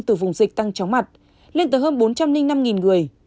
từ vùng dịch tăng chóng mặt lên tới hơn bốn trăm linh năm người